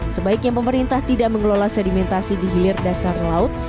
sebaiknya pemerintah tidak mengelola sedimentasi di hilir dasar laut